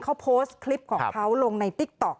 เขาโพสต์คลิปของเขาลงในติ๊กต๊อก